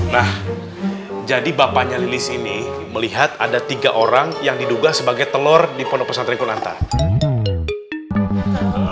nah jadi bapaknya lilis ini melihat ada tiga orang yang diduga sebagai telur di pondok pesantren kunanta